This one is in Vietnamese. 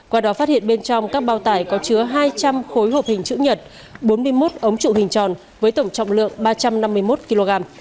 qua đó phát hiện bên trong các bao tải có chứa hai trăm linh khối hộp hình chữ nhật bốn mươi một ống trụ hình tròn với tổng trọng lượng ba trăm năm mươi một kg